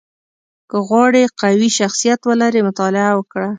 • که غواړې قوي شخصیت ولرې، مطالعه وکړه.